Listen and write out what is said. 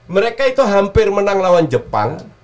mereka itu hampir menang lawan jepang